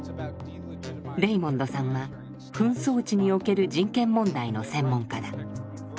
レイモンドさんは紛争地における人権問題の専門家だ。